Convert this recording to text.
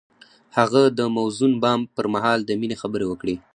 هغه د موزون بام پر مهال د مینې خبرې وکړې.